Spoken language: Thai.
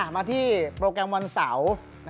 มาที่โปรแกรมวันเสาร์